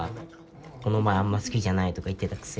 この前あんま好きじゃないとか言ってたくせに。